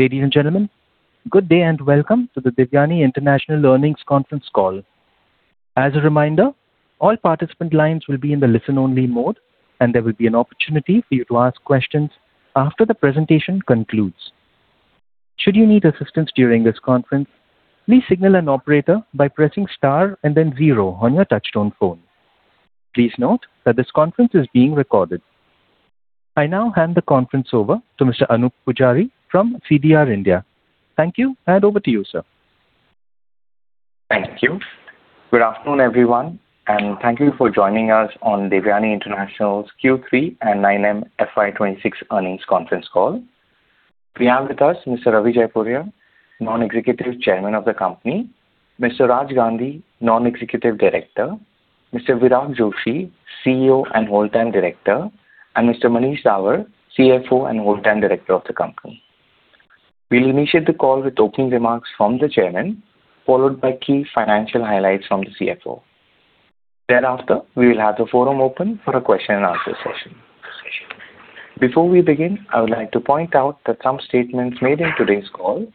Ladies and gentlemen, good day, and welcome to the Devyani International Earnings Conference Call. As a reminder, all participant lines will be in the listen-only mode, and there will be an opportunity for you to ask questions after the presentation concludes. Should you need assistance during this conference, please signal an operator by pressing star and then zero on your touchtone phone. Please note that this conference is being recorded. I now hand the conference over to Mr. Anoop Poojari from CDR India. Thank you, and over to you, sir. Thank you. Good afternoon, everyone, and thank you for joining us on Devyani International's Q3 and 9M FY26 earnings conference call. We have with us Mr. Ravi Jaipuria, Non-Executive Chairman of the company, Mr. Raj Gandhi, Non-Executive Director, Mr. Virag Joshi, CEO and Whole Time Director, and Mr. Manish Dawar, CFO and Whole Time Director of the company. We'll initiate the call with opening remarks from the chairman, followed by key financial highlights from the CFO. Thereafter, we will have the forum open for a question and answer session. Before we begin, I would like to point out that some statements made in today's call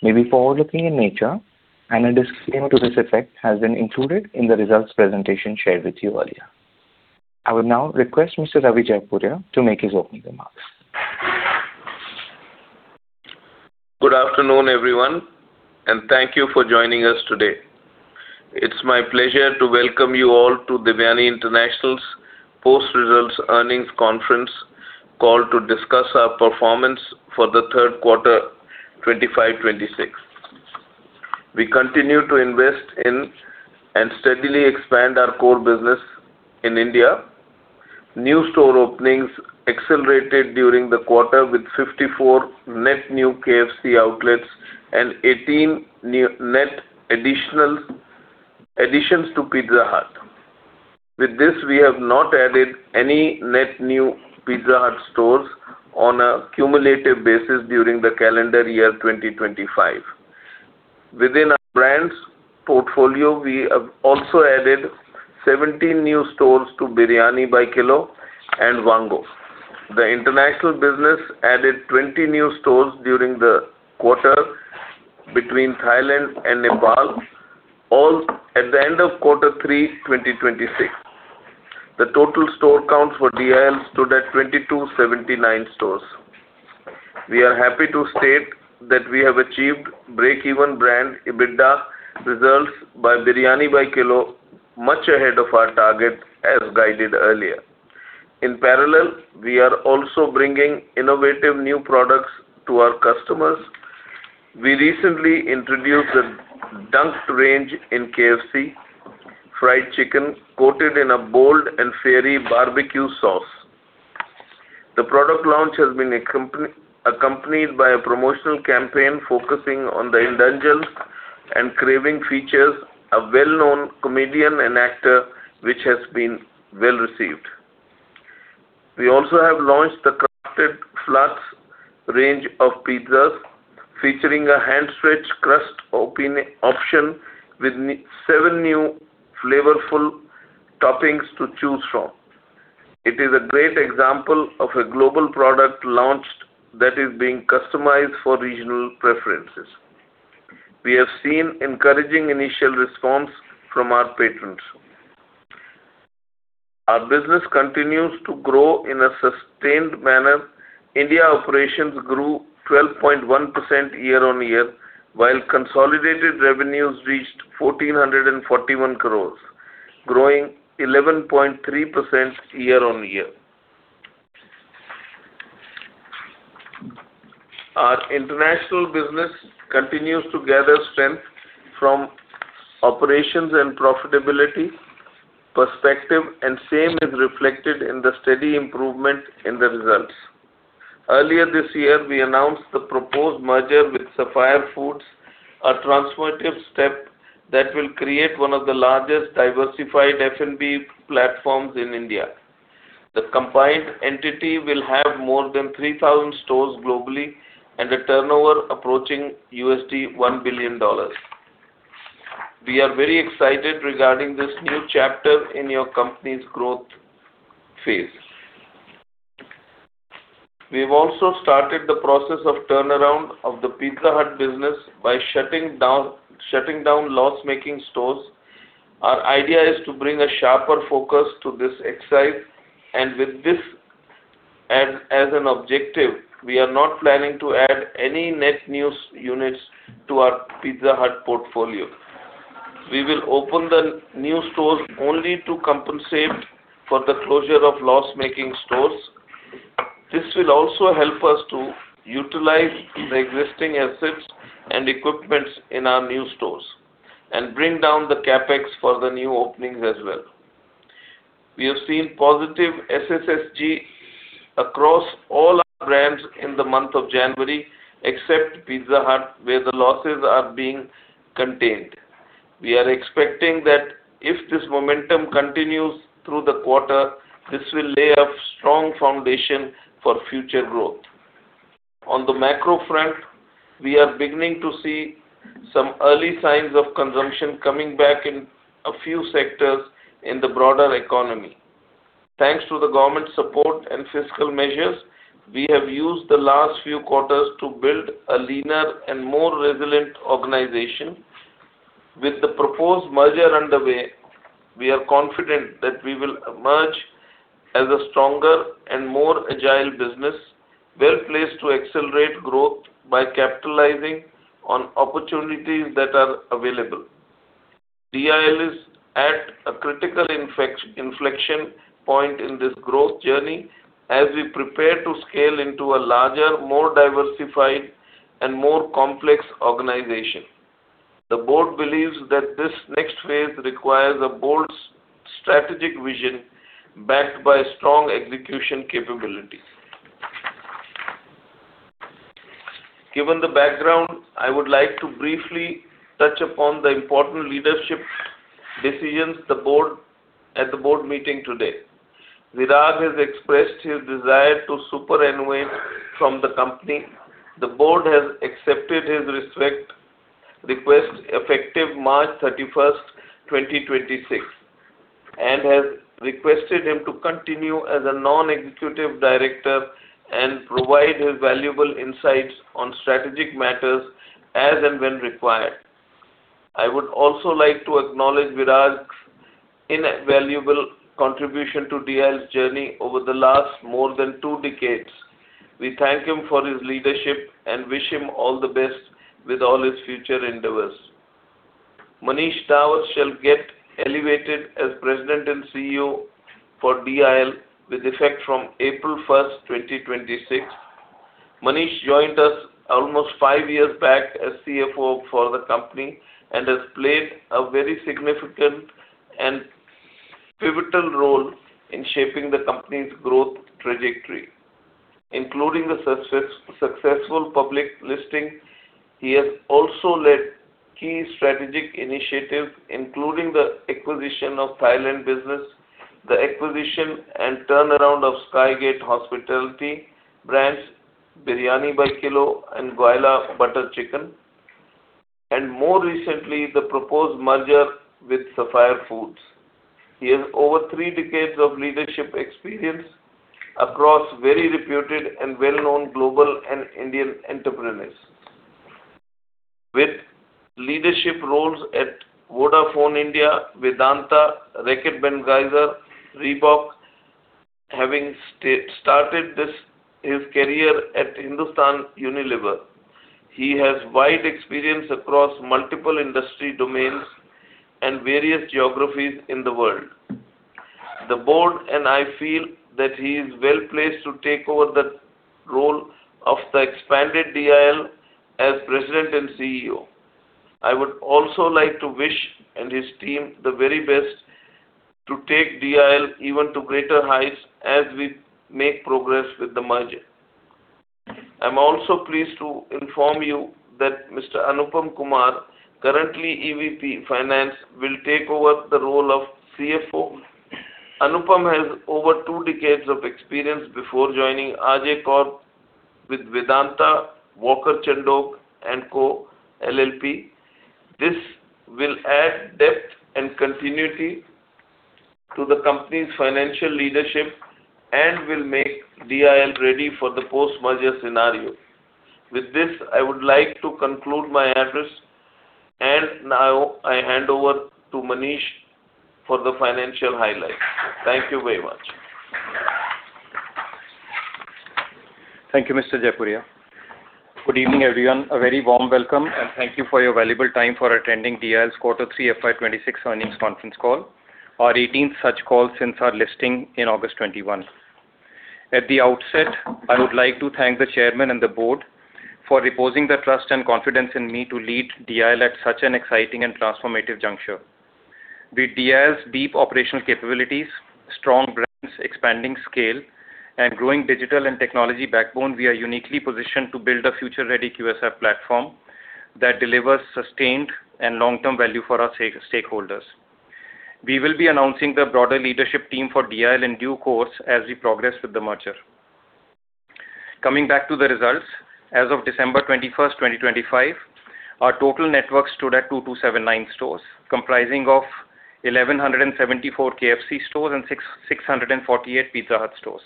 may be forward-looking in nature, and a disclaimer to this effect has been included in the results presentation shared with you earlier. I will now request Mr. Ravi Jaipuria to make his opening remarks. Good afternoon, everyone, and thank you for joining us today. It's my pleasure to welcome you all to Devyani International's post-results earnings conference call to discuss our performance for the third quarter, 25, 26. We continue to invest in and steadily expand our core business in India. New store openings accelerated during the quarter, with 54 net new KFC outlets and 18 net new additions to Pizza Hut. With this, we have not added any net new Pizza Hut stores on a cumulative basis during the calendar year 2025. Within our brands portfolio, we have also added 17 new stores to Biryani By Kilo and Vaango. The international business added 20 new stores during the quarter between Thailand and Nepal, all at the end of Quarter 3, 2026. The total store count for DIL stood at 2,279 stores. We are happy to state that we have achieved break-even brand EBITDA results by Biryani By Kilo, much ahead of our target, as guided earlier. In parallel, we are also bringing innovative new products to our customers. We recently introduced the Dunked Range in KFC: fried chicken coated in a bold and fiery barbecue sauce. The product launch has been accompanied by a promotional campaign focusing on the indulgence and craving features, a well-known comedian and actor, which has been well received. We also have launched the Crafted Flatzz range of pizzas, featuring a hand-stretched crust open option with seven new flavorful toppings to choose from. It is a great example of a global product launched that is being customized for regional preferences. We have seen encouraging initial response from our patrons. Our business continues to grow in a sustained manner. India operations grew 12.1% year-on-year, while consolidated revenues reached 1,441 crores, growing 11.3% year-on-year. Our international business continues to gather strength from operations and profitability perspective, and same is reflected in the steady improvement in the results. Earlier this year, we announced the proposed merger with Sapphire Foods, a transformative step that will create one of the largest diversified F&B platforms in India. The combined entity will have more than 3,000 stores globally and a turnover approaching $1 billion. We are very excited regarding this new chapter in your company's growth phase. We've also started the process of turnaround of the Pizza Hut business by shutting down loss-making stores. Our idea is to bring a sharper focus to this exercise, and with this as an objective, we are not planning to add any net new units to our Pizza Hut portfolio. We will open the new stores only to compensate for the closure of loss-making stores. This will also help us to utilize the existing assets and equipment in our new stores and bring down the CapEx for the new openings as well. We have seen positive SSSG across all our brands in the month of January, except Pizza Hut, where the losses are being contained. We are expecting that if this momentum continues through the quarter, this will lay a strong foundation for future growth. On the macro front, we are beginning to see some early signs of consumption coming back in a few sectors in the broader economy.... Thanks to the government support and fiscal measures, we have used the last few quarters to build a leaner and more resilient organization. With the proposed merger underway, we are confident that we will emerge as a stronger and more agile business, well-placed to accelerate growth by capitalizing on opportunities that are available. DIL is at a critical inflection point in this growth journey as we prepare to scale into a larger, more diversified, and more complex organization. The board believes that this next phase requires a bold strategic vision, backed by strong execution capabilities. Given the background, I would like to briefly touch upon the important leadership decisions the board at the board meeting today. Virag has expressed his desire to superannuate from the company. The board has accepted his request, effective March 31, 2026, and has requested him to continue as a non-executive director and provide his valuable insights on strategic matters as and when required. I would also like to acknowledge Virag's invaluable contribution to DIL's journey over the last more than two decades. We thank him for his leadership and wish him all the best with all his future endeavors. Manish Dawar shall get elevated as President and CEO for DIL, with effect from April 1, 2026. Manish joined us almost five years back as CFO for the company and has played a very significant and pivotal role in shaping the company's growth trajectory, including the successful public listing. He has also led key strategic initiatives, including the acquisition of Thailand business, the acquisition and turnaround of Skygate Hospitality brands, Biryani By Kilo and Goila Butter Chicken, and more recently, the proposed merger with Sapphire Foods. He has over three decades of leadership experience across very reputed and well-known global and Indian enterprises. With leadership roles at Vodafone India, Vedanta, Reckitt Benckiser, Reebok, having started his career at Hindustan Unilever. He has wide experience across multiple industry domains and various geographies in the world. The board and I feel that he is well-placed to take over the role of the expanded DIL as President and CEO. I would also like to wish him and his team the very best to take DIL even to greater heights as we make progress with the merger. I'm also pleased to inform you that Mr. Anupam Kumar, currently EVP Finance, will take over the role of CFO. Anupam has over two decades of experience before joining RJ Corp with Vedanta, Walker Chandiok & Co LLP. This will add depth and continuity to the company's financial leadership and will make DIL ready for the post-merger scenario. With this, I would like to conclude my address, and now I hand over to Manish for the financial highlights. Thank you very much. Thank you, Mr. Jaipuria. Good evening, everyone. A very warm welcome, and thank you for your valuable time for attending DIL's Q3, FY 2026 earnings conference call, our 18th such call since our listing in August 2021. At the outset, I would like to thank the chairman and the board for reposing their trust and confidence in me to lead DIL at such an exciting and transformative juncture. With DIL's deep operational capabilities, strong brands, expanding scale, and growing digital and technology backbone, we are uniquely positioned to build a future-ready QSR platform that delivers sustained and long-term value for our stake, stakeholders. We will be announcing the broader leadership team for DIL in due course as we progress with the merger. Coming back to the results, as of December 21, 2025, our total network stood at 2,279 stores, comprising of 1,174 KFC stores and 1,105 Pizza Hut stores.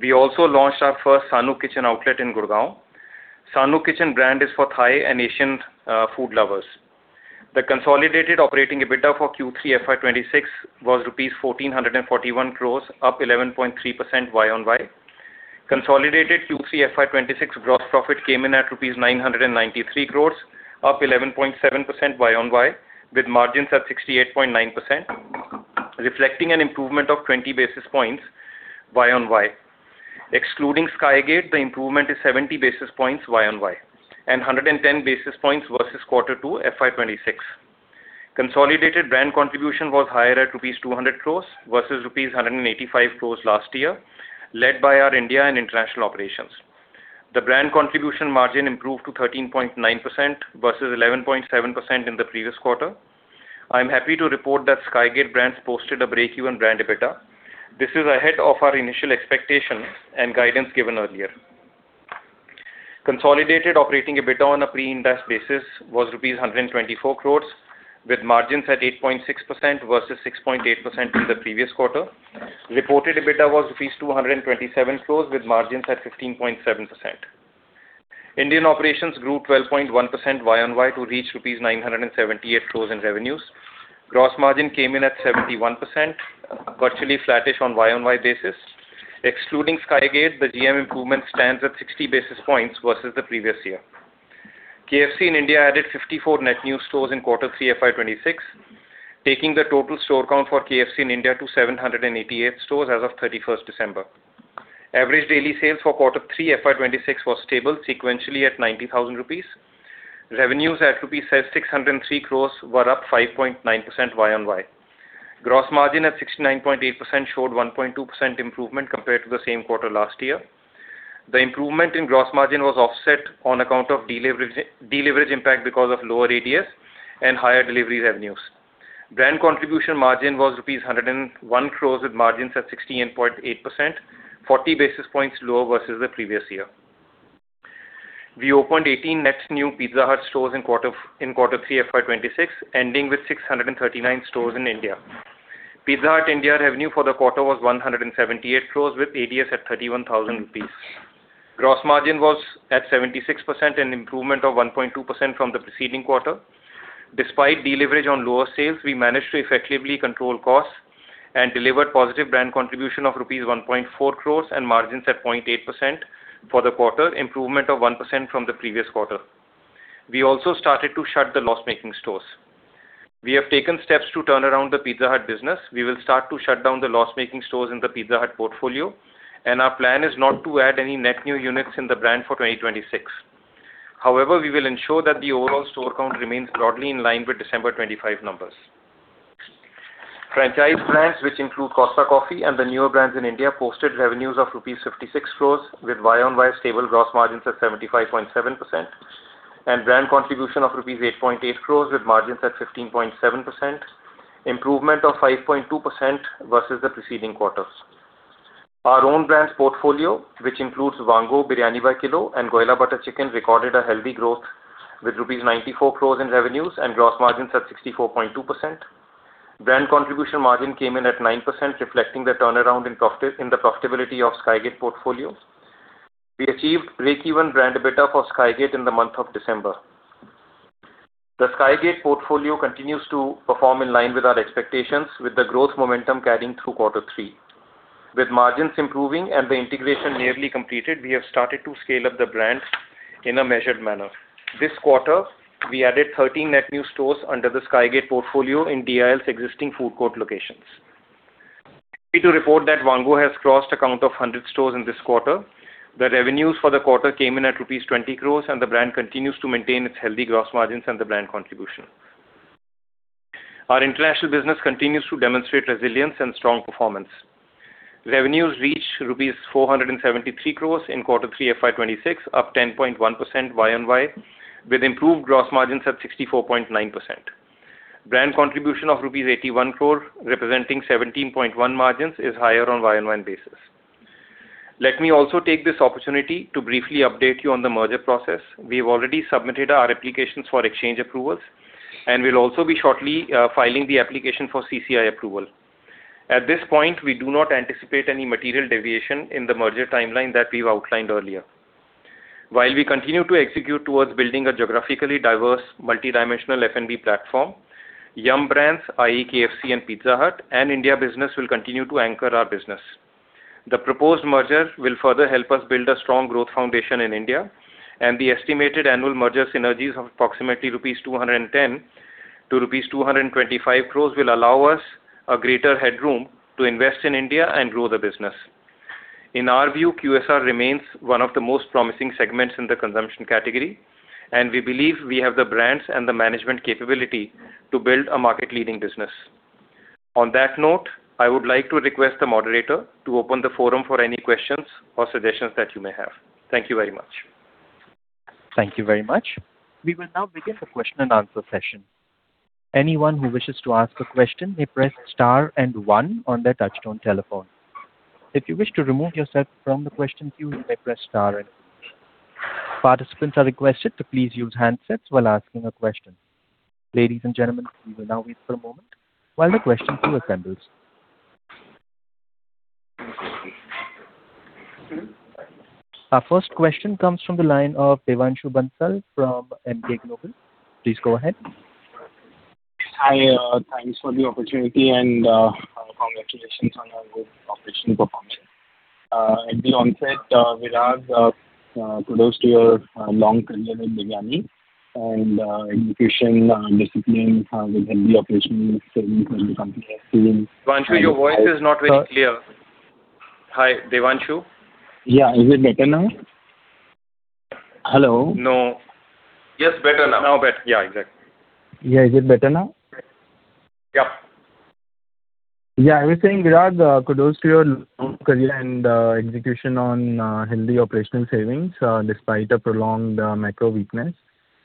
We also launched our first Sanook Kitchen outlet in Gurgaon. Sanook Kitchen brand is for Thai and Asian food lovers. The consolidated operating EBITDA for Q3 FY 2026 was rupees 1,441 crore, up 11.3% YoY. Consolidated Q3 FY 2026 gross profit came in at 993 crore rupees, up 11.7% YoY, with margins at 68.9%, reflecting an improvement of 20 basis points YoY. Excluding Sky Gate, the improvement is 70 basis points YoY, and 110 basis points versus quarter two, FY 2026. Consolidated brand contribution was higher at rupees 200 crore versus rupees 185 crore last year, led by our India and international operations. The brand contribution margin improved to 13.9% versus 11.7% in the previous quarter. I'm happy to report that Sky Gate brands posted a break-even brand EBITDA. This is ahead of our initial expectations and guidance given earlier. Consolidated operating EBITDA on a pre-interest basis was rupees 124 crore, with margins at 8.6% versus 6.8% in the previous quarter. Reported EBITDA was rupees 227 crore, with margins at 15.7%. Indian operations grew 12.1% YoY to reach rupees 978 crore in revenues. Gross margin came in at 71%, virtually flattish on a YoY basis. Excluding Sky Gate, the GM improvement stands at 60 basis points versus the previous year. KFC in India added 54 net new stores in quarter three FY 26, taking the total store count for KFC in India to 788 stores as of 31 December. Average daily sales for quarter three FY 26 was stable sequentially at 90,000 rupees. Revenues at rupees 603 crore were up 5.9% YoY. Gross margin at 69.8% showed 1.2% improvement compared to the same quarter last year. The improvement in gross margin was offset on account of deleverage impact because of lower ADS and higher delivery revenues. Brand contribution margin was rupees 101 crore, with margins at 68.8%, 40 basis points lower versus the previous year. We opened 18 net new Pizza Hut stores in quarter three FY 2026, ending with 639 stores in India. Pizza Hut India revenue for the quarter was 178 crore, with ADS at 31,000 rupees. Gross margin was at 76%, an improvement of 1.2% from the preceding quarter. Despite deleverage on lower sales, we managed to effectively control costs and delivered positive brand contribution of INR 1.4 crore and margins at 0.8% for the quarter, improvement of 1% from the previous quarter. We also started to shut the loss-making stores. We have taken steps to turn around the Pizza Hut business. We will start to shut down the loss-making stores in the Pizza Hut portfolio, and our plan is not to add any net new units in the brand for 2026. However, we will ensure that the overall store count remains broadly in line with December 2025 numbers. Franchise brands, which include Costa Coffee and the newer brands in India, posted revenues of rupees 56 crore, with YoY stable gross margins at 75.7% and brand contribution of rupees 8.8 crore, with margins at 15.7%, improvement of 5.2% versus the preceding quarters. Our own brands portfolio, which includes Vaango! Biryani By Kilo and Goila Butter Chicken, recorded a healthy growth with rupees 94 crore in revenues and gross margins at 64.2%. Brand contribution margin came in at 9%, reflecting the turnaround in profitability of Sky Gate Hospitality portfolio. We achieved break-even brand EBITDA for Sky Gate Hospitality in the month of December. The Sky Gate portfolio continues to perform in line with our expectations, with the growth momentum carrying through quarter three. With margins improving and the integration nearly completed, we have started to scale up the brand in a measured manner. This quarter, we added 13 net new stores under the Sky Gate portfolio in DIL's existing food court locations. Happy to report that Vaango has crossed a count of 100 stores in this quarter. The revenues for the quarter came in at rupees 20 crore, and the brand continues to maintain its healthy gross margins and the brand contribution. Our international business continues to demonstrate resilience and strong performance. Revenues reached INR 473 crore in quarter three FY 2026, up 10.1% YoY, with improved gross margins at 64.9%. Brand contribution of rupees 81 crore, representing 17.1% margins, is higher on YoY basis. Let me also take this opportunity to briefly update you on the merger process. We've already submitted our applications for exchange approvals, and we'll also be shortly filing the application for CCI approval. At this point, we do not anticipate any material deviation in the merger timeline that we've outlined earlier. While we continue to execute towards building a geographically diverse, multidimensional F&B platform, Yum! Brands, i.e., KFC and Pizza Hut, and India business will continue to anchor our business. The proposed merger will further help us build a strong growth foundation in India, and the estimated annual merger synergies of approximately 210 crore-225 crore rupees will allow us a greater headroom to invest in India and grow the business. In our view, QSR remains one of the most promising segments in the consumption category, and we believe we have the brands and the management capability to build a market-leading business. On that note, I would like to request the moderator to open the forum for any questions or suggestions that you may have. Thank you very much. Thank you very much. We will now begin the question and answer session. Anyone who wishes to ask a question, may press star and one on their touchtone telephone. If you wish to remove yourself from the question queue, you may press star and eight. Participants are requested to please use handsets while asking a question. Ladies and gentlemen, we will now wait for a moment while the question queue assembles. Our first question comes from the line of Devanshu Bansal from Emkay Global. Please go ahead. Hi, thanks for the opportunity and, congratulations on your good operational performance. At the onset, Virag, kudos to your long career with Devyani, and execution, discipline, with healthy operational savings for the company has been. Devanshu, your voice is not very clear. Sir. Hi, Devanshu? Yeah. Is it better now? Hello? No. Yes, better now. Yeah, exactly. Yeah. Is it better now? Yeah. Yeah. I was saying, Virag, kudos to your long career and, execution on, healthy operational savings, despite a prolonged, macro weakness.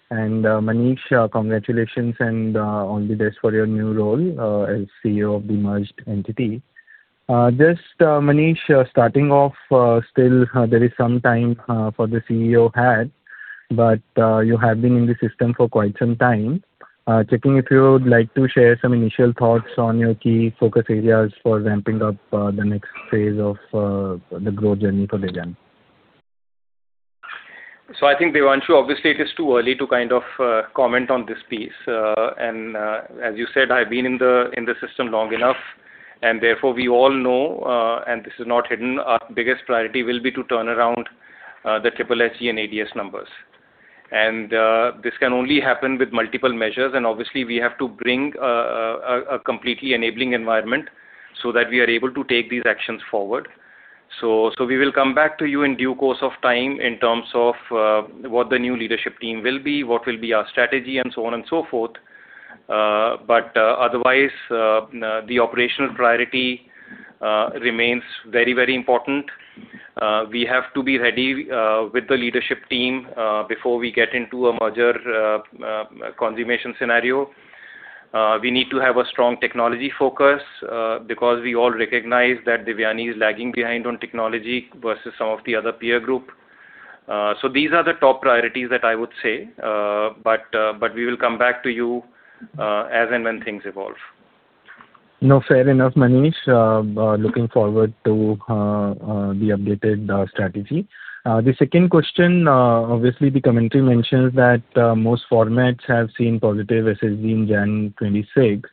And, Manish, congratulations and, all the best for your new role, as CEO of the merged entity. Just, Manish, starting off, still, there is some time, for the CEO hat, but, you have been in the system for quite some time. Checking if you would like to share some initial thoughts on your key focus areas for ramping up, the next phase of, the growth journey for Devyani? So I think, Devanshu, obviously it is too early to kind of comment on this piece. And, as you said, I've been in the system long enough, and therefore we all know, and this is not hidden, our biggest priority will be to turn around the SSSG and ADS numbers. And, this can only happen with multiple measures, and obviously, we have to bring a completely enabling environment so that we are able to take these actions forward. So, we will come back to you in due course of time in terms of what the new leadership team will be, what will be our strategy, and so on and so forth. But, otherwise, the operational priority remains very, very important. We have to be ready with the leadership team before we get into a merger consummation scenario. We need to have a strong technology focus because we all recognize that Devyani is lagging behind on technology versus some of the other peer group. So these are the top priorities that I would say, but, but we will come back to you as and when things evolve. No, fair enough, Manish. Looking forward to the updated strategy. The second question, obviously the commentary mentions that most formats have seen positive SSG in January 2026.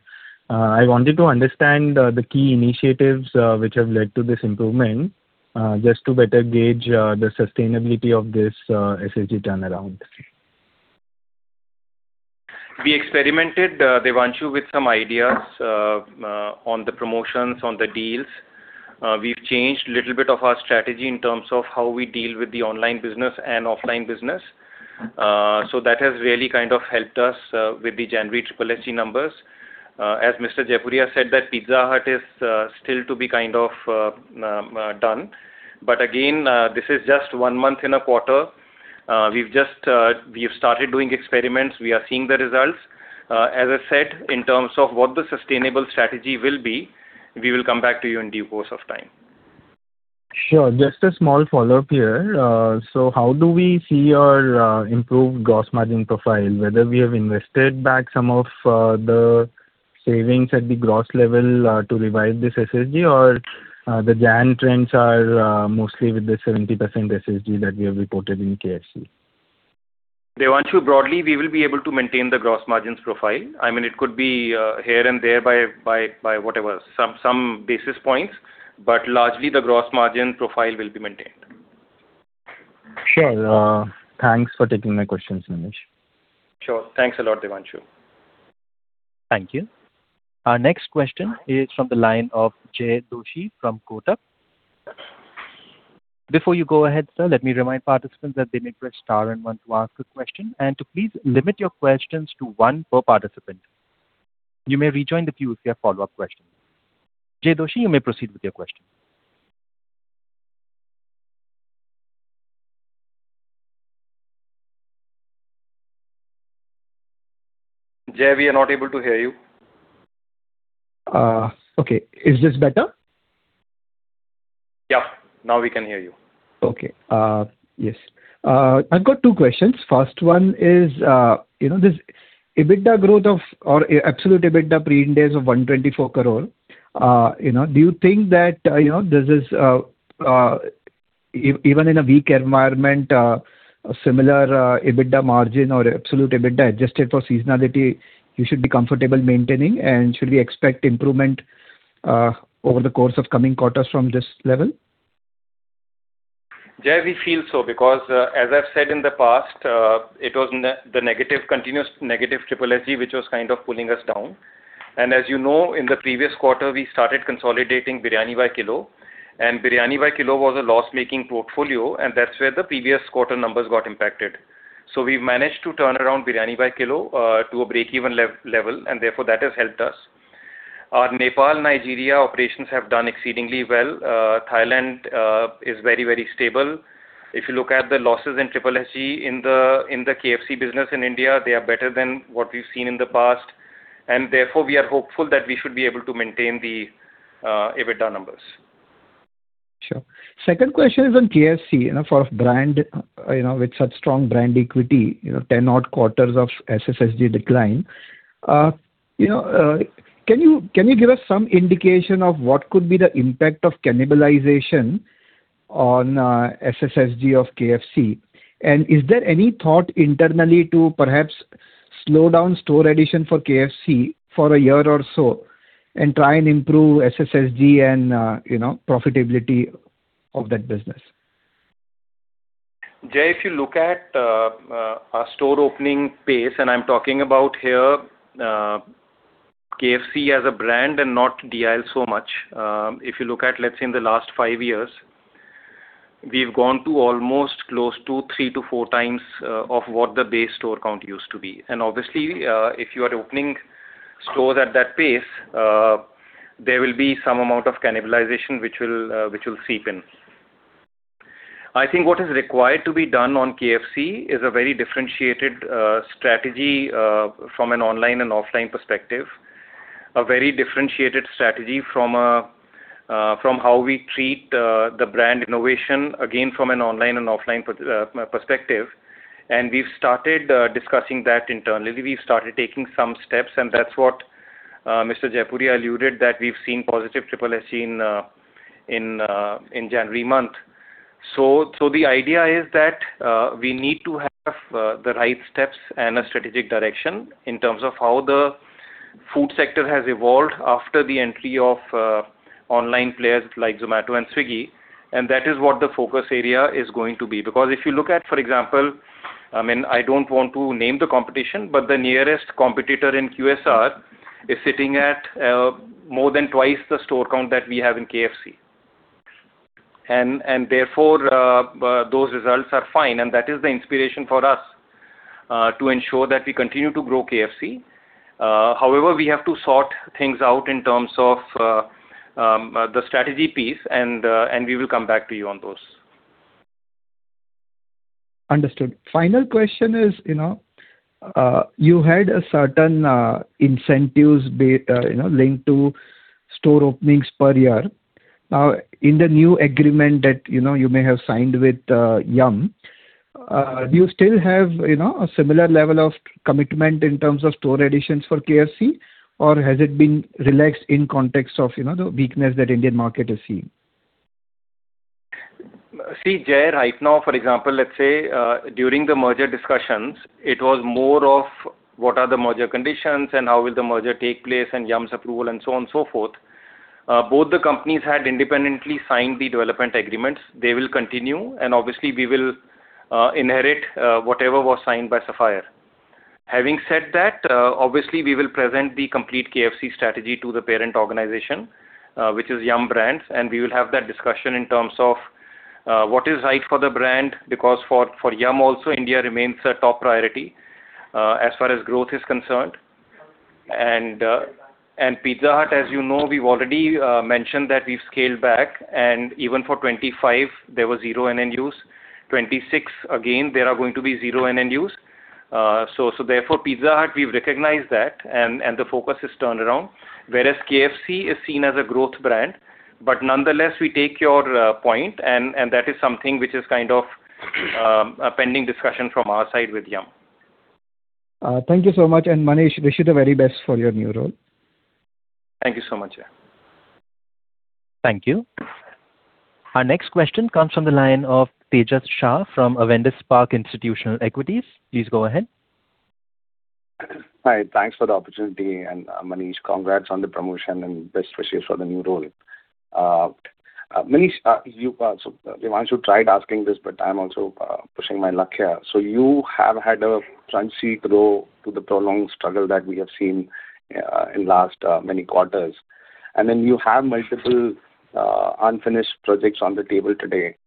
I wanted to understand the key initiatives which have led to this improvement, just to better gauge the sustainability of this SSG turnaround. We experimented, Devanshu, with some ideas, on the promotions, on the deals. We've changed a little bit of our strategy in terms of how we deal with the online business and offline business. So that has really kind of helped us, with the January SSSG numbers. As Mr. Jaipuria said, that Pizza Hut is still to be kind of done. But again, this is just one month in a quarter. We've just started doing experiments. We are seeing the results. As I said, in terms of what the sustainable strategy will be, we will come back to you in due course of time. Sure. Just a small follow-up here. So how do we see your improved gross margin profile? Whether we have invested back some of the savings at the gross level to revive this SSG or the JAN trends are mostly with the 70% SSG that we have reported in KFC? Devanshu, broadly, we will be able to maintain the gross margins profile. I mean, it could be here and there by whatever, some basis points, but largely the gross margin profile will be maintained. Sure. Thanks for taking my questions, Manish. Sure. Thanks a lot, Devanshu. Thank you. Our next question is from the line of Jay Doshi from Kotak. Before you go ahead, sir, let me remind participants that they need to press star and one to ask a question, and to please limit your questions to one per participant. You may rejoin the queue if you have follow-up questions. Jay Doshi, you may proceed with your question. Jay, we are not able to hear you. Okay. Is this better? Yeah. Now we can hear you. Okay. Yes. I've got two questions. First one is, you know, this EBITDA growth of or absolute EBITDA Pre-IndAS of 124 crore, you know, do you think that, you know, this is, even in a weak environment, a similar, EBITDA margin or absolute EBITDA adjusted for seasonality, you should be comfortable maintaining? And should we expect improvement, over the course of coming quarters from this level? Jay, we feel so, because, as I've said in the past, it was the negative, continuous negative SSSG, which was kind of pulling us down. And as you know, in the previous quarter, we started consolidating Biryani By Kilo, and Biryani By Kilo was a loss-making portfolio, and that's where the previous quarter numbers got impacted. So we've managed to turn around Biryani By Kilo to a break-even level, and therefore that has helped us. Our Nepal, Nigeria operations have done exceedingly well. Thailand is very, very stable. If you look at the losses in SSSG in the KFC business in India, they are better than what we've seen in the past, and therefore, we are hopeful that we should be able to maintain the EBITDA numbers. Sure. Second question is on KFC. You know, for a brand, you know, with such strong brand equity, you know, 10 odd quarters of SSSG decline. You know, can you, can you give us some indication of what could be the impact of cannibalization on, SSSG of KFC? And is there any thought internally to perhaps slow down store addition for KFC for a year or so, and try and improve SSSG and, you know, profitability of that business? Jay, if you look at our store opening pace, and I'm talking about here KFC as a brand and not DIL so much. If you look at, let's say, in the last five years, we've gone to almost close to 3-4 times of what the base store count used to be. And obviously, if you are opening stores at that pace, there will be some amount of cannibalization which will which will seep in... I think what is required to be done on KFC is a very differentiated strategy from an online and offline perspective. A very differentiated strategy from from how we treat the brand innovation, again, from an online and offline per- perspective. And we've started discussing that internally. We've started taking some steps, and that's what Mr. Jaipuria alluded that we've seen positive Triple-S in January month. So the idea is that we need to have the right steps and a strategic direction in terms of how the food sector has evolved after the entry of online players like Zomato and Swiggy, and that is what the focus area is going to be. Because if you look at, for example, I mean, I don't want to name the competition, but the nearest competitor in QSR is sitting at more than twice the store count that we have in KFC. And therefore those results are fine, and that is the inspiration for us to ensure that we continue to grow KFC. However, we have to sort things out in terms of the strategy piece, and and we will come back to you on those. Understood. Final question is, you know, you had a certain incentives linked to store openings per year. Now, in the new agreement that, you know, you may have signed with Yum!, do you still have, you know, a similar level of commitment in terms of store additions for KFC? Or has it been relaxed in context of, you know, the weakness that Indian market is seeing? See, Jay, right now, for example, let's say, during the merger discussions, it was more of what are the merger conditions and how will the merger take place and Yum!'s approval and so on and so forth. Both the companies had independently signed the development agreements. They will continue, and obviously we will inherit whatever was signed by Sapphire. Having said that, obviously, we will present the complete KFC strategy to the parent organization, which is Yum! Brands, and we will have that discussion in terms of what is right for the brand, because for Yum! also, India remains a top priority as far as growth is concerned. And Pizza Hut, as you know, we've already mentioned that we've scaled back, and even for 25, there were zero NNUs. 26, again, there are going to be zero NNUs. So, so therefore, Pizza Hut, we've recognized that, and, and the focus is turned around, whereas KFC is seen as a growth brand. But nonetheless, we take your point and, and that is something which is kind of a pending discussion from our side with Yum!. Thank you so much, and Manish, wish you the very best for your new role. Thank you so much, Jay. Thank you. Our next question comes from the line of Tejas Shah from Avendus Spark Institutional Equities. Please go ahead. Hi, thanks for the opportunity, and, Manish, congrats on the promotion and best wishes for the new role. Manish, so Devanshu tried asking this, but I'm also pushing my luck here. So you have had a credit to the prolonged struggle that we have seen in last many quarters. And then you have multiple unfinished projects on the table today.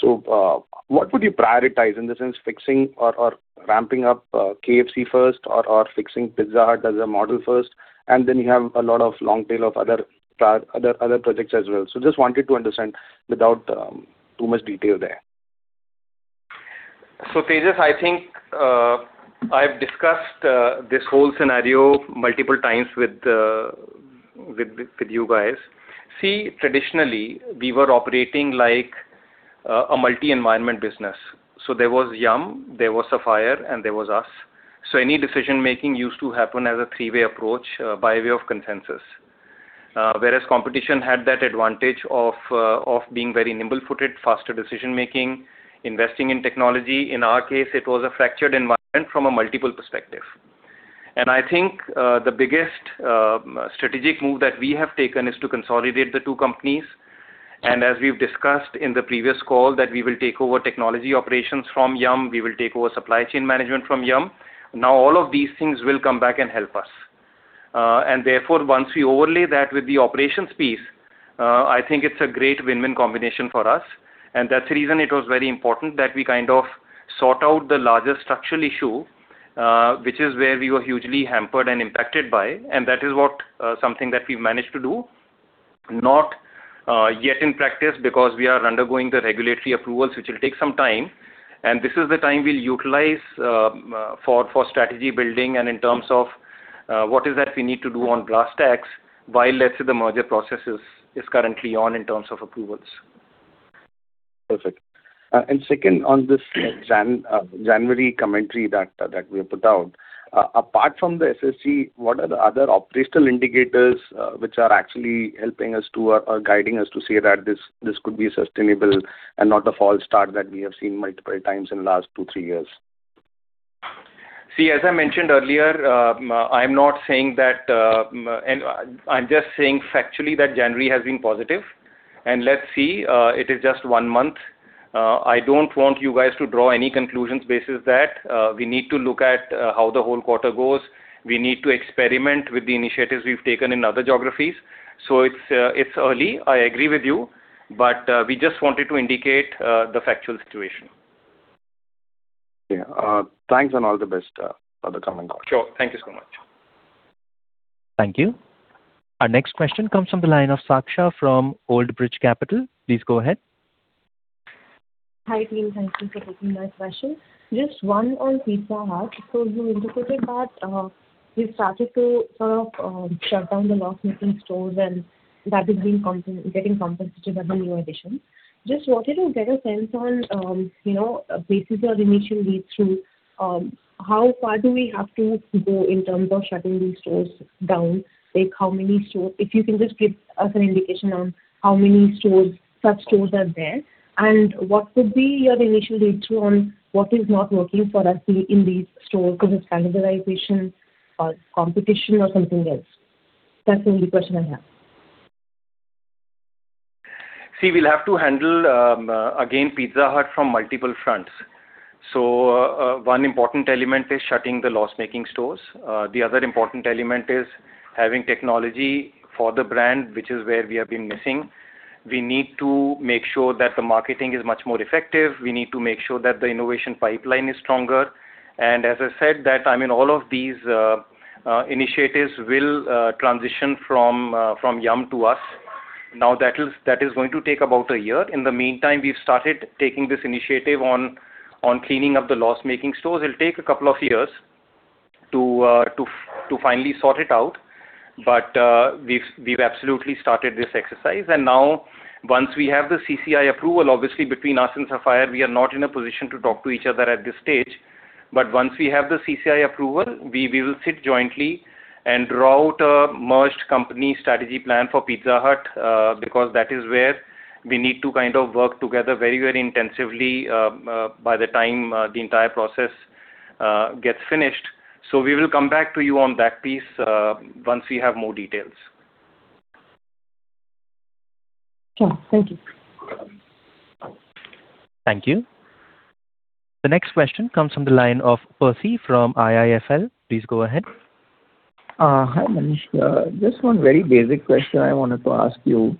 So, what would you prioritize in the sense fixing or ramping up KFC first or fixing Pizza Hut as a model first, and then you have a lot of long tail of other projects as well? So just wanted to understand without too much detail there. So, Tejas, I think I've discussed this whole scenario multiple times with you guys. See, traditionally, we were operating like a multi-environment business. So there was Yum!, there was Sapphire, and there was us. So any decision-making used to happen as a three-way approach by way of consensus. Whereas competition had that advantage of being very nimble-footed, faster decision-making, investing in technology. In our case, it was a fractured environment from a multiple perspective. I think the biggest strategic move that we have taken is to consolidate the two companies. And as we've discussed in the previous call, we will take over technology operations from Yum!, we will take over supply chain management from Yum! Now, all of these things will come back and help us. And therefore, once we overlay that with the operations piece, I think it's a great win-win combination for us. And that's the reason it was very important that we kind of sort out the larger structural issue, which is where we were hugely hampered and impacted by, and that is what something that we've managed to do. Not yet in practice because we are undergoing the regulatory approvals, which will take some time, and this is the time we'll utilize for strategy building and in terms of what is that we need to do on GST, while let's say, the merger process is currently on in terms of approvals. Perfect. And second, on this January commentary that we have put out. Apart from the SSG, what are the other operational indicators which are actually helping us or guiding us to say that this could be sustainable and not a false start that we have seen multiple times in the last two, three years? See, as I mentioned earlier, I'm not saying that. I'm just saying factually that January has been positive. Let's see, it is just one month. I don't want you guys to draw any conclusions based on that. We need to look at how the whole quarter goes. We need to experiment with the initiatives we've taken in other geographies. So it's early, I agree with you, but we just wanted to indicate the factual situation. Yeah, thanks and all the best for the coming out. Sure. Thank you so much. Thank you. Our next question comes from the line of Sakshi from Old Bridge Capital. Please go ahead. Hi, team. Thank you for taking my question. Just one on Pizza Hut. So you indicated that you started to sort of shut down the loss-making stores, and that is being compensated by the new addition. Just wanted to get a sense on, you know, basis your initial read-through, how far do we have to go in terms of shutting these stores down? Like, how many stores - If you can just give us an indication on how many stores, such stores are there, and what could be your initial read-through on what is not working for us in these stores, because it's cannibalization or competition or something else? That's the only question I have. See, we'll have to handle, again, Pizza Hut from multiple fronts. So, one important element is shutting the loss-making stores. The other important element is having technology for the brand, which is where we have been missing. We need to make sure that the marketing is much more effective. We need to make sure that the innovation pipeline is stronger. And as I said, I mean, all of these initiatives will transition from Yum! to us. Now, that is going to take about a year. In the meantime, we've started taking this initiative on cleaning up the loss-making stores. It'll take a couple of years to finally sort it out. But, we've absolutely started this exercise. Now, once we have the CCI approval, obviously between us and Sapphire, we are not in a position to talk to each other at this stage. Once we have the CCI approval, we will sit jointly and draw out a merged company strategy plan for Pizza Hut, because that is where we need to kind of work together very, very intensively, by the time the entire process gets finished. We will come back to you on that piece, once we have more details. Sure. Thank you. Thank you. The next question comes from the line of Percy from IIFL. Please go ahead. Hi, Manish. Just one very basic question I wanted to ask you,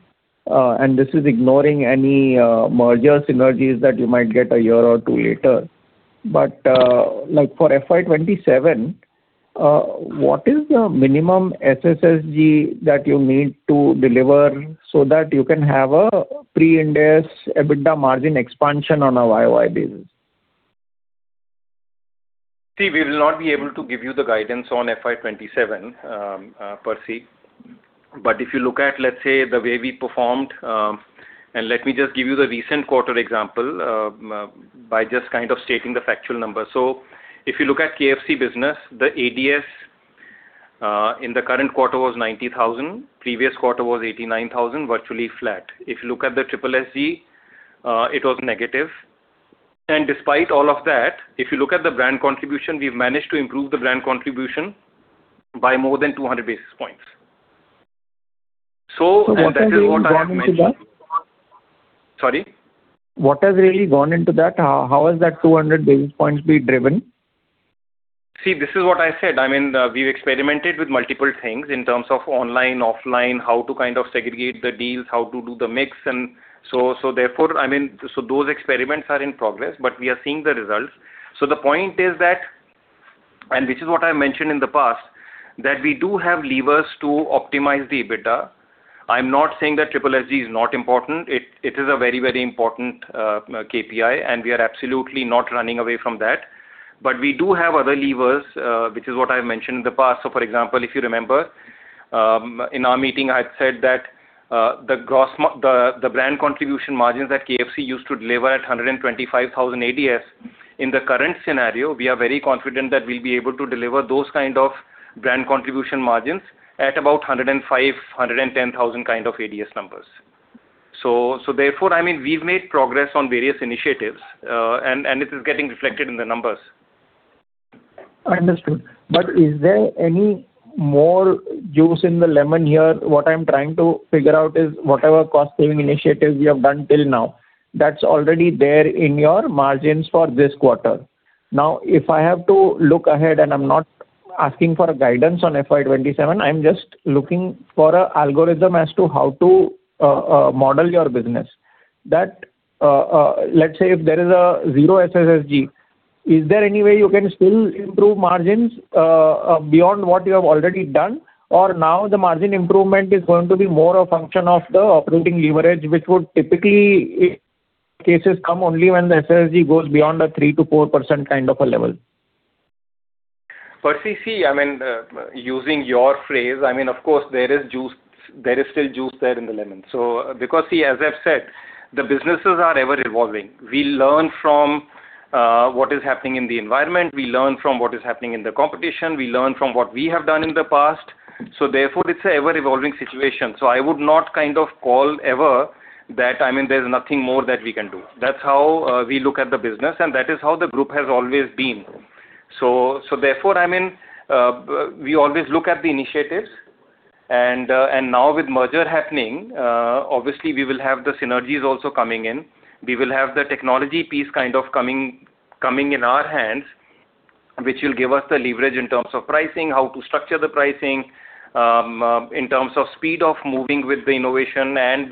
and this is ignoring any merger synergies that you might get a year or two later. But, like for FY 27, what is the minimum SSSG that you need to deliver so that you can have a pre-index EBITDA margin expansion on a YOY basis? See, we will not be able to give you the guidance on FY 27, Percy. But if you look at, let's say, the way we performed, and let me just give you the recent quarter example, by just kind of stating the factual number. So if you look at KFC business, the ADS in the current quarter was 90,000, previous quarter was 89,000, virtually flat. If you look at the SSSG, it was negative. And despite all of that, if you look at the brand contribution, we've managed to improve the brand contribution by more than 200 basis points. So, and that is what I mentioned- What has really gone into that? Sorry. What has really gone into that? How, how has that 200 basis points been driven? See, this is what I said. I mean, we've experimented with multiple things in terms of online, offline, how to kind of segregate the deals, how to do the mix. And so, therefore, I mean, those experiments are in progress, but we are seeing the results. So the point is that, and this is what I mentioned in the past, that we do have levers to optimize the EBITDA. I'm not saying that SSSG is not important. It is a very, very important KPI, and we are absolutely not running away from that. But we do have other levers, which is what I mentioned in the past. So for example, if you remember, in our meeting, I said that the brand contribution margins that KFC used to deliver at 125,000 ADS. In the current scenario, we are very confident that we'll be able to deliver those kind of brand contribution margins at about 105,000-110,000 kind of ADS numbers. So, therefore, I mean, we've made progress on various initiatives, and this is getting reflected in the numbers. Understood. But is there any more juice in the lemon here? What I'm trying to figure out is whatever cost-saving initiatives you have done till now, that's already there in your margins for this quarter. Now, if I have to look ahead, and I'm not asking for a guidance on FY 2027, I'm just looking for a algorithm as to how to model your business. That, let's say if there is a 0 SSSG, is there any way you can still improve margins beyond what you have already done? Or now the margin improvement is going to be more a function of the operating leverage, which would typically cases come only when the SSSG goes beyond a 3%-4% kind of a level. Percy, see, I mean, using your phrase, I mean, of course, there is juice, there is still juice there in the lemon. So because, see, as I've said, the businesses are ever-evolving. We learn from, what is happening in the environment, we learn from what is happening in the competition, we learn from what we have done in the past. So therefore, it's an ever-evolving situation. So I would not kind of call ever that, I mean, there's nothing more that we can do. That's how, we look at the business, and that is how the group has always been. So, so therefore, I mean, we always look at the initiatives, and, and now with merger happening, obviously, we will have the synergies also coming in. We will have the technology piece kind of coming, coming in our hands. which will give us the leverage in terms of pricing, how to structure the pricing, in terms of speed of moving with the innovation and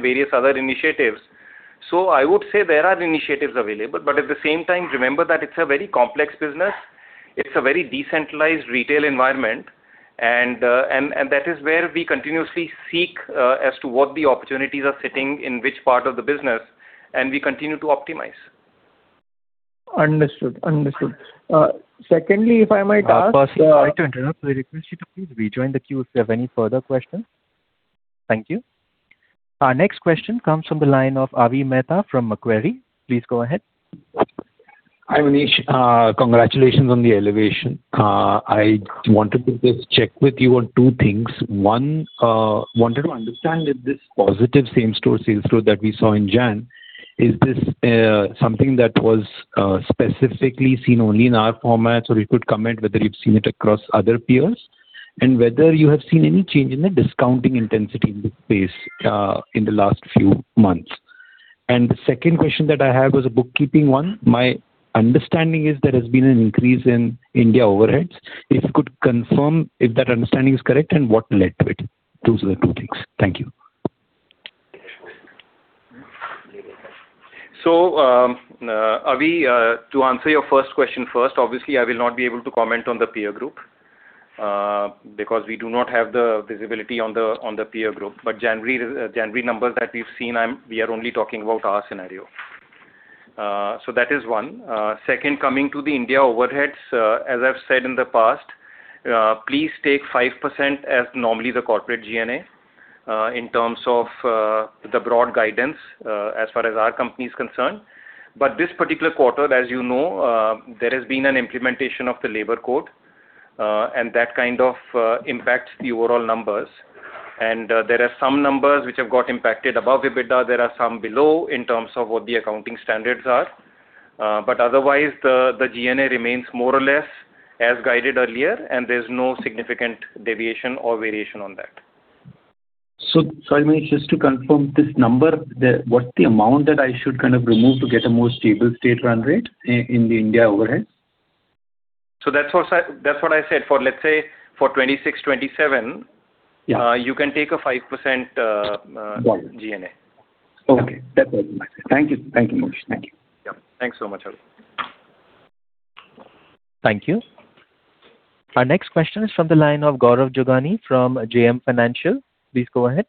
various other initiatives. So I would say there are initiatives available, but at the same time, remember that it's a very complex business. It's a very decentralized retail environment, and that is where we continuously seek, as to what the opportunities are sitting in which part of the business, and we continue to optimize. Understood. Understood. Secondly, if I might ask- Sorry to interrupt. We request you to please rejoin the queue if you have any further questions. Thank you. Our next question comes from the line of Avi Mehta from Macquarie. Please go ahead. Hi, Manish. Congratulations on the elevation. I wanted to just check with you on two things. One, wanted to understand if this positive same-store sales growth that we saw in January, is this something that was specifically seen only in our formats, or you could comment whether you've seen it across other peers, and whether you have seen any change in the discounting intensity in the space, in the last few months? The second question that I have is a bookkeeping one. My understanding is there has been an increase in India overheads. If you could confirm if that understanding is correct, and what led to it? Those are the two things. Thank you. So, Avi, to answer your first question first, obviously I will not be able to comment on the peer group, because we do not have the visibility on the peer group. But January numbers that we've seen, we are only talking about our scenario. So that is one. Second, coming to the India overheads, as I've said in the past, please take 5% as normally the corporate GNA, in terms of the broad guidance, as far as our company is concerned. But this particular quarter, as you know, there has been an implementation of the labor code, and that kind of impacts the overall numbers. And there are some numbers which have got impacted above EBITDA, there are some below in terms of what the accounting standards are. But otherwise, the GNA remains more or less as guided earlier, and there's no significant deviation or variation on that. So, sorry, Manish, just to confirm this number, what's the amount that I should kind of remove to get a more stable state run rate in the India overhead? So that's what I said. For, let's say, for 26-27. Yeah. You can take a 5%, GNA. Okay. That's all. Thank you. Thank you, Manish. Thank you. Yeah. Thanks so much, Avi. Thank you. Our next question is from the line of Gaurav Jogani from JM Financial. Please go ahead.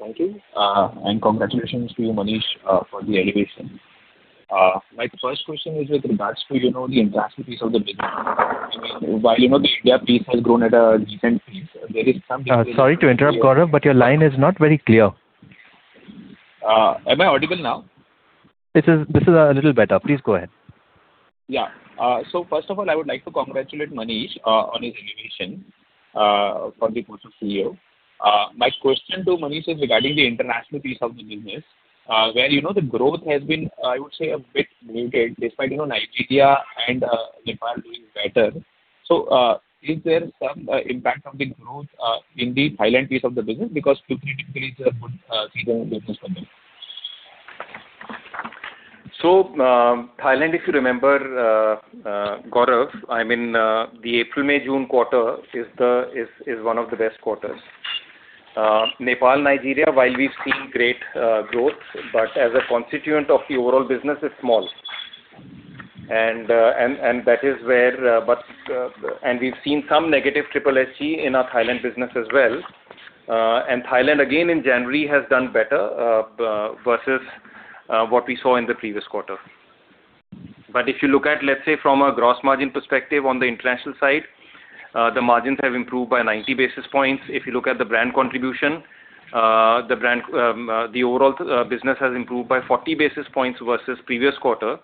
Thank you, and congratulations to you, Manish, for the elevation. My first question is with regards to, you know, the international piece of the business. While, you know, the India piece has grown at a decent pace, there is some. Sorry to interrupt, Gaurav, but your line is not very clear. Am I audible now? This is, this is a little better. Please go ahead. Yeah. So first of all, I would like to congratulate Manish on his elevation for the post of CEO. My question to Manish is regarding the international piece of the business, where, you know, the growth has been, I would say, a bit muted, despite, you know, Nigeria and Nepal doing better. So, is there some impact on the growth in the Thailand piece of the business? Because geographically it's a good season business for them. So, Thailand, if you remember, Gaurav, I mean, the April-May-June quarter is one of the best quarters. Nepal, Nigeria, while we've seen great growth, but as a constituent of the overall business, it's small. And we've seen some negative SSS in our Thailand business as well. And Thailand, again, in January, has done better versus what we saw in the previous quarter. But if you look at, let's say, from a gross margin perspective on the international side, the margins have improved by 90 basis points. If you look at the brand contribution, the brand, the overall business has improved by 40 basis points versus previous quarter,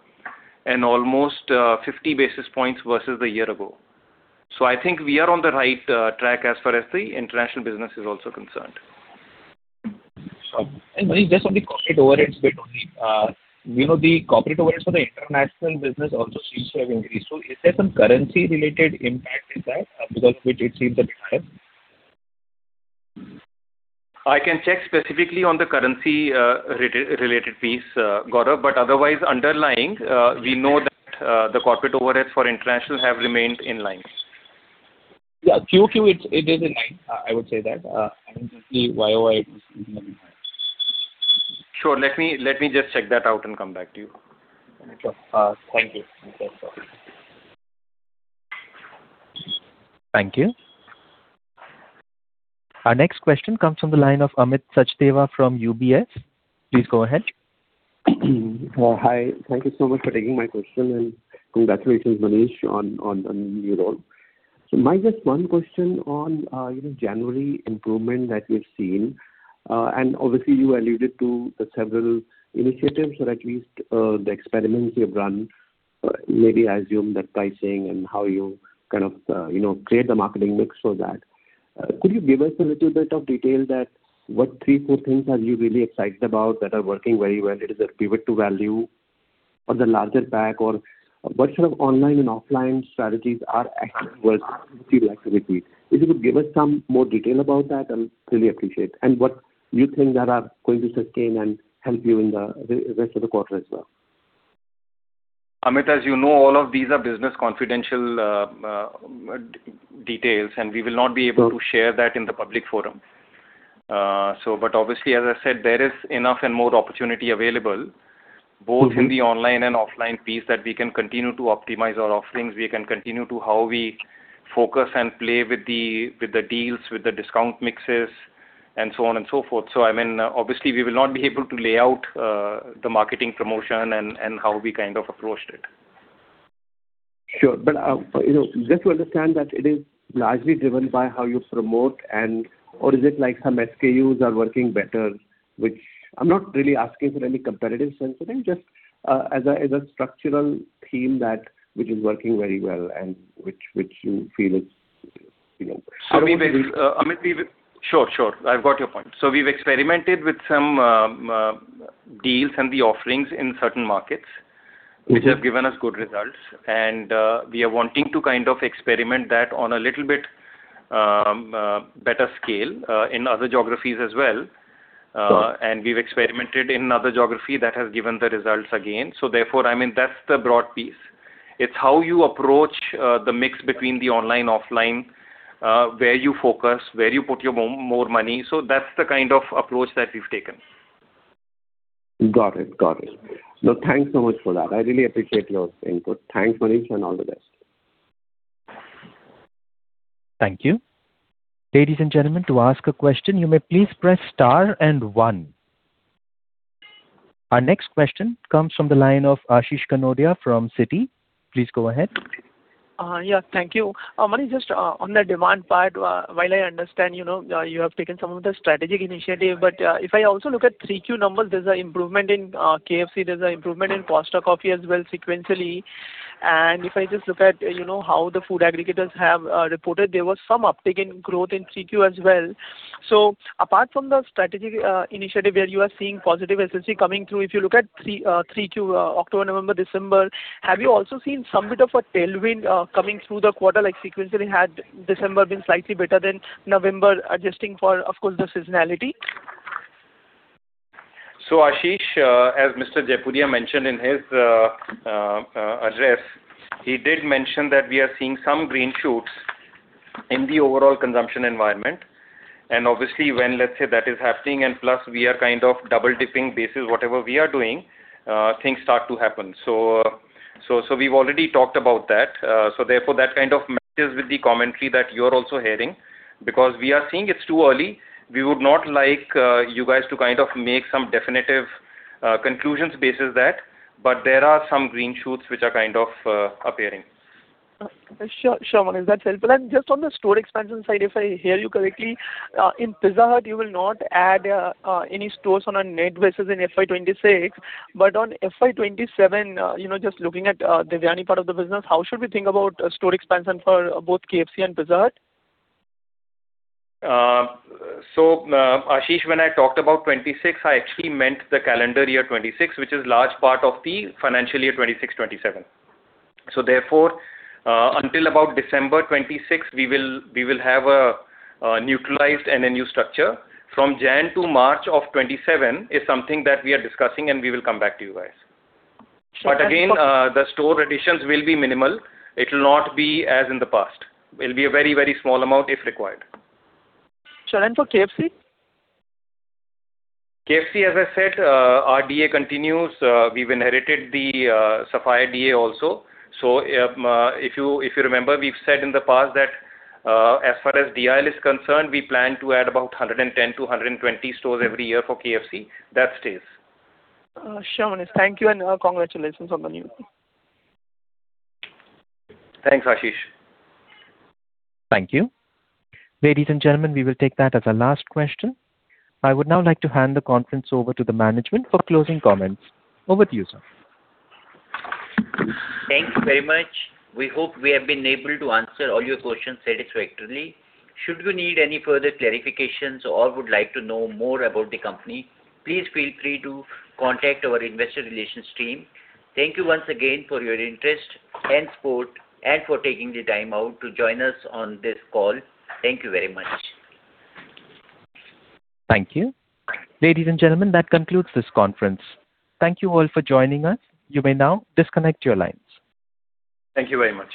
and almost 50 basis points versus a year ago. So I think we are on the right track as far as the international business is also concerned. Sure. And Manish, just on the corporate overheads bit only, you know, the corporate overheads for the international business also seems to have increased. So is there some currency related impact in that, because which it seems the decline? I can check specifically on the currency, related, related piece, Gaurav, but otherwise, underlying, we know that, the corporate overheads for international have remained in line. Yeah, QoQ, it is in line, I would say that. I don't see why or why it would be in line. Sure. Let me just check that out and come back to you. Sure. Thank you. Thank you. Our next question comes from the line of Amit Sachdeva from UBS. Please go ahead. Hi. Thank you so much for taking my question, and congratulations, Manish, on your role. So my just one question on, you know, January improvement that we've seen, and obviously you alluded to the several initiatives or at least, the experiments you've run, maybe I assume that pricing and how you kind of, you know, create the marketing mix for that. Could you give us a little bit of detail that what three, four things are you really excited about that are working very well? It is a pivot to value or the larger pack, or what sort of online and offline strategies are actually working, if you'd like to repeat? If you could give us some more detail about that, I'll really appreciate. What you think that are going to sustain and help you in the rest of the quarter as well? Amit, as you know, all of these are business confidential, details, and we will not be able to share that in the public forum. So but obviously, as I said, there is enough and more opportunity available, both in the online and offline piece, that we can continue to optimize our offerings. We can continue to how we focus and play with the, with the deals, with the discount mixes, and so on and so forth. So I mean, obviously, we will not be able to lay out, the marketing promotion and, and how we kind of approached it. Sure. But you know, just to understand that it is largely driven by how you promote and—or is it like some SKUs are working better, which I'm not really asking for any competitive sense of thing, just as a, as a structural theme that which is working very well and which, which you feel is, you know- Amit, Amit, sure, sure. I've got your point. So we've experimented with some deals and the offerings in certain markets, which have given us good results. And we are wanting to kind of experiment that on a little bit better scale in other geographies as well. Sure. And we've experimented in other geography that has given the results again. So therefore, I mean, that's the broad piece. It's how you approach the mix between the online, offline, where you focus, where you put your more money. So that's the kind of approach that we've taken. Got it. Got it. Thanks so much for that. I really appreciate your input. Thanks, Manish, and all the best. Thank you. Ladies and gentlemen, to ask a question, you may please press star and one. Our next question comes from the line of Ashish Kanodia from Citi. Please go ahead. Yeah, thank you. Manish, just on the demand part, while I understand, you know, you have taken some of the strategic initiative, but if I also look at threeQ numbers, there's an improvement in KFC, there's an improvement in Costa Coffee as well, sequentially. And if I just look at, you know, how the food aggregators have reported, there was some uptick in growth in threeQ as well. So apart from the strategic initiative, where you are seeing positive SSC coming through, if you look at three threeQ, October, November, December, have you also seen some bit of a tailwind coming through the quarter, like sequentially had December been slightly better than November, adjusting for, of course, the seasonality? So, Ashish, as Mr. Jaipuria mentioned in his address, he did mention that we are seeing some green shoots in the overall consumption environment. And obviously, when let's say that is happening and plus we are kind of double-dipping basis whatever we are doing, things start to happen. So we've already talked about that. So therefore, that kind of matches with the commentary that you're also hearing, because we are seeing it's too early. We would not like you guys to kind of make some definitive conclusions basis that, but there are some green shoots which are kind of appearing. Sure, sure, Manish, that's helpful. And just on the store expansion side, if I hear you correctly, in Pizza Hut, you will not add any stores on a net basis in FY 2026. But on FY 2027, you know, just looking at the Devyani part of the business, how should we think about store expansion for both KFC and Pizza Hut? So, Ashish, when I talked about 2026, I actually meant the calendar year 2026, which is large part of the financial year 2026, 2027. So therefore, until about December 2026, we will, we will have a neutralized and a new structure. From January to March of 2027 is something that we are discussing and we will come back to you guys. Sure. But again, the store additions will be minimal. It will not be as in the past. It will be a very, very small amount, if required. For KFC? KFC, as I said, our DA continues. We've inherited the, Sapphire DA also. So, if you, if you remember, we've said in the past that, as far as DIL is concerned, we plan to add about 110-120 stores every year for KFC. That stays. Sure, Manish. Thank you, and congratulations on the new. Thanks, Ashish. Thank you. Ladies and gentlemen, we will take that as our last question. I would now like to hand the conference over to the management for closing comments. Over to you, sir. Thank you very much. We hope we have been able to answer all your questions satisfactorily. Should you need any further clarifications or would like to know more about the company, please feel free to contact our investor relations team. Thank you once again for your interest and support and for taking the time out to join us on this call. Thank you very much. Thank you. Ladies and gentlemen, that concludes this conference. Thank you all for joining us. You may now disconnect your lines. Thank you very much.